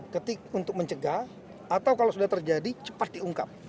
ketika untuk mencegah atau kalau sudah terjadi cepat diungkap